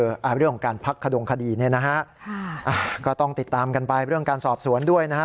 เรื่องของการพักขดงคดีเนี่ยนะฮะค่ะก็ต้องติดตามกันไปเรื่องการสอบสวนด้วยนะฮะ